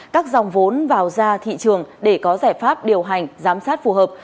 các dòng vốn vào ra thị trường để có giải pháp điều hành giám sát phù hợp